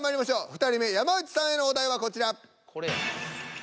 ２人目山内さんへのお題はこちら。